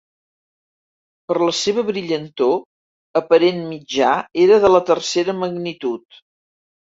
Per la seva brillantor aparent mitjà era de tercera magnitud.